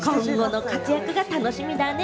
今後の活躍が楽しみだね。